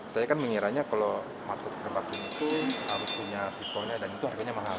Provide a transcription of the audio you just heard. saya kan mengiranya kalau masuk ke tempat ini pun harus punya siswanya dan itu harganya mahal